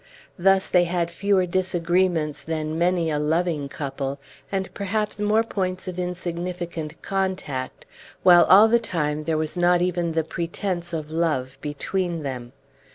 Thus they had fewer disagreements than many a loving couple, and perhaps more points of insignificant contact, while all the time there was not even the pretence of love between them.